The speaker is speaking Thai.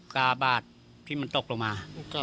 กาบาดที่มันตกลงมา